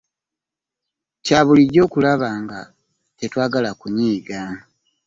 Kya bulijjo okuba nga tetwagala kunyiga.